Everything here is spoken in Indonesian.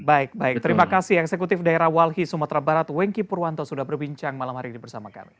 baik baik terima kasih eksekutif daerah walhi sumatera barat wengki purwanto sudah berbincang malam hari ini bersama kami